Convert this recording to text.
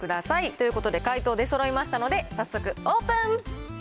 ということで、解答出そろいましたので、早速、オープン。